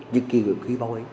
được ghi bóng ấy